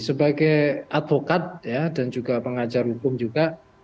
sebagai advokat dan juga pengajar hukum juga